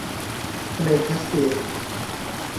ทะเลแคสเปียน